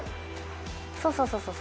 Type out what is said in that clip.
そうそうそうそう。